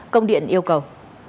công điện yêu cầu